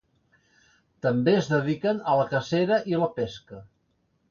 També es dediquen a la cacera i la pesca.